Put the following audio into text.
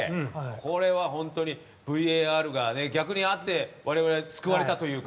これは本当に、ＶＡＲが逆にあって我々は救われたというか。